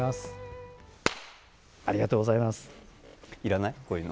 ありがとうございます。